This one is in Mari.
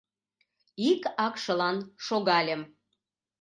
Ик акшылан шогальым.